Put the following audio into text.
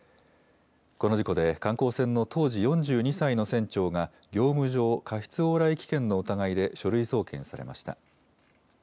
この事故で、観光船の当時４２歳の船長が業務上過失往来危険の疑いで書類送検されました。